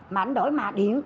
mà anh nói mà điểm